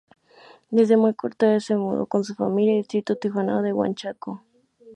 Desde muy corta edad, se mudó con su familia al distrito trujillano de Huanchaco.